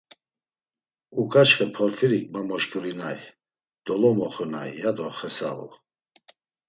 Uǩaçxe Porfirik ma moşǩurinay, dolomoxunay, yado xesabu.